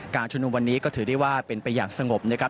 ชุมนุมวันนี้ก็ถือได้ว่าเป็นไปอย่างสงบนะครับ